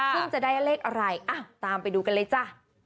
ซึ่งจะได้เลขอะไรอ่ะตามไปดูกันเลยจ้ะ